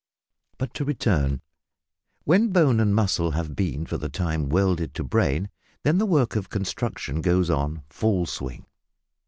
But to return. When bone and muscle have been for the time welded to brain, then the work of construction goes on "full swing."